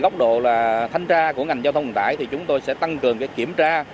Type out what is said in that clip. góc độ là thanh tra của ngành giao thông hiện tại thì chúng tôi sẽ tăng cường kiểm tra